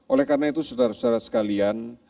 oleh karena itu saudara saudara sekalian